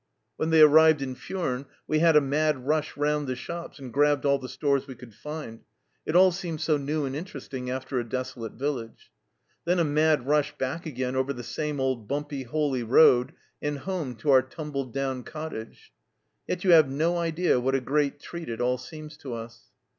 When they arrived in Furnes, " we had a mad rush round the shops and grabbed all the stores we could find ; it all seemed so new and interesting after a desolate village. Then a mad rush back again over the same old bumpy, holey road, and home to our tumbled down cottage. Yet you have no idea what a great treat it all seems to us."